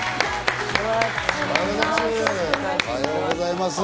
おはようございます。